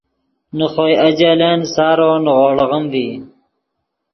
نے خوئے اجلن سارو نیغوڑے ڤی